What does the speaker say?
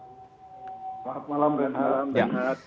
selamat malam bang jod